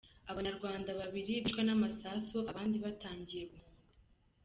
Abanyarwanda babiri bishwe n’amasasu, abandi batangiye guhunga